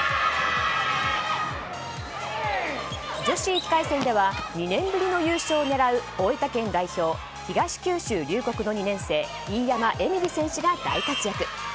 女子１回戦では２年ぶりの優勝を狙う大分県代表、東九州龍谷の２年生飯山エミリ選手が大活躍。